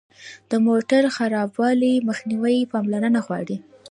د موټر خرابوالي مخنیوی پاملرنه غواړي.